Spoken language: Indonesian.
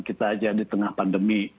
kita aja di tengah pandemi